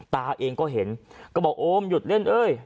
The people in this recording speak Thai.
ตาเองก็เห็นก็บอกโอมหยุดเล่นเอ้ย